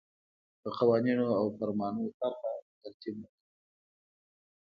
د قوانینو او فرمانونو طرح او ترتیب مهم دي.